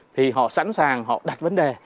thì họ sẵn sàng họ đặt vấn đề